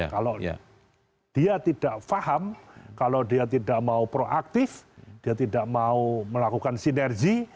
kalau dia tidak paham kalau dia tidak mau proaktif dia tidak mau melakukan sinergi